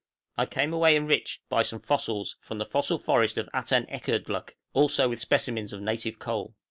I came away enriched by some fossils from the fossil forest of Atanekerdluk, also with specimens of native coal.